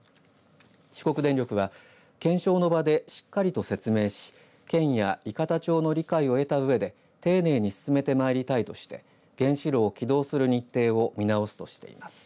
四国電力は検証の場でしっかりと説明し県や伊方町の理解を得たうえで丁寧に進めてまいりたいとして原子炉を起動する日程を見直すとしています。